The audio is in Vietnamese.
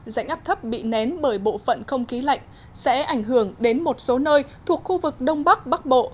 rãnh áp thấp bị nén bởi bộ phận không khí lạnh sẽ ảnh hưởng đến một số nơi thuộc khu vực đông bắc bắc bộ